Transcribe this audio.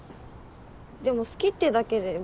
でも好きってだけで別に。